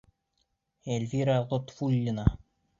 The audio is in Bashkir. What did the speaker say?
Эльвира ЛОТФУЛЛИНА.